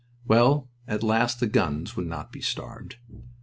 Well, at last the guns would not be starved.